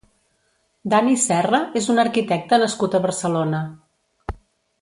Dani Serra és un arquitecte nascut a Barcelona.